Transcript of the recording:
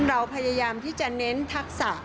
เราพยายามที่จะเน้นทักษะ